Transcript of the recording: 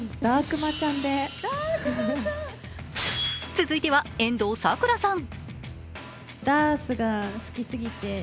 続いては、遠藤さくらさん。